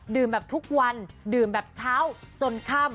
แบบทุกวันดื่มแบบเช้าจนค่ำ